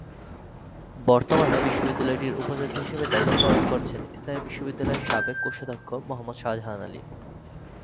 বর্তমানে বিশ্ববিদ্যালয়টির উপাচার্য হিসেবে দায়িত্ব পালন করছেন ইসলামী বিশ্ববিদ্যালয়ের সাবেক কোষাধ্যক্ষ মোহাম্মদ শাহজাহান আলী।